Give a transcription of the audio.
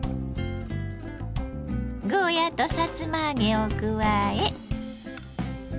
ゴーヤーとさつま揚げを加え。